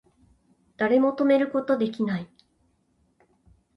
誰も止めること出来ない